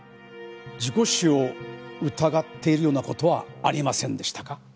事故死を疑っているような事はありませんでしたか？